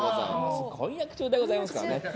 婚約中でございますからね。